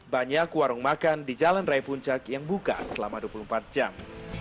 banyak warung makan di jalan raya puncak yang buka selama dua puluh empat jam